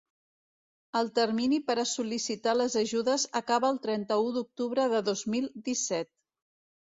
El termini per a sol·licitar les ajudes acaba el trenta-u d’octubre de dos mil disset.